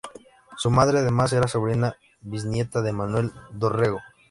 Su madre además era sobrina bisnieta de Manuel Dorrego.